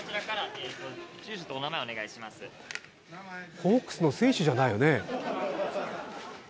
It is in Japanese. ホークスの選手じゃないよね。